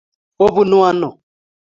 obunu ano